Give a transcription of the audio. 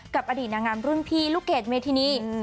กับอดีตนางงามรุ่นพี่ลูกเกดเมธินี